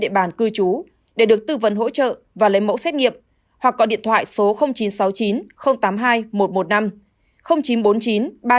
trong địa bàn cư trú để được tư vấn hỗ trợ và lấy mẫu xét nghiệm hoặc có điện thoại số chín trăm sáu mươi chín tám mươi hai một trăm một mươi năm chín trăm bốn mươi chín ba trăm chín mươi sáu một trăm một mươi năm cdc hà nội